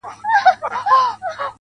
دا ټپه ورته ډالۍ كړو دواړه.